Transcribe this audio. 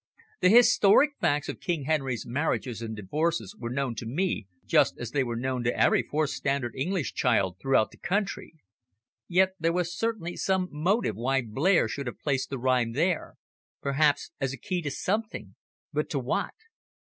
The historic facts of King Henry's marriages and divorces were known to me just as they were known to every fourth standard English child throughout the country. Yet there was certainly some motive why Blair should have placed the rhyme there perhaps as a key to something, but to what?